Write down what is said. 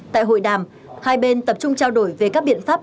tại hội đàm hai bên tập trung trao đổi về các biện pháp